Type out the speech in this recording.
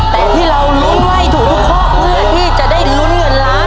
แต่ที่เรารุ้นไว้ให้ถูกทุกข้อเพื่อที่จะได้ลุ้นเงินล้าน